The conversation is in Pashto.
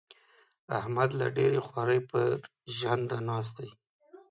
احمد له ډېرې خوارۍ؛ پر ژنده ناست دی.